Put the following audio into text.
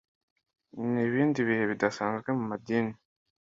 n’ibindi bihe bidasanzwe mu madini